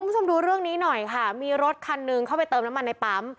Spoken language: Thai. คุณผู้ชมดูเรื่องนี้หน่อยค่ะมีรถคันหนึ่งเข้าไปเติมน้ำมันในปั๊ม